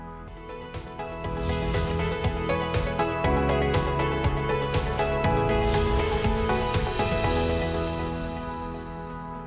terima kasih std